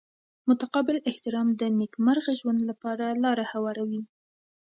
متقابل احترام د نیکمرغه ژوند لپاره لاره هواروي.